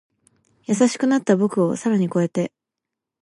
優しくなった僕を更に越えて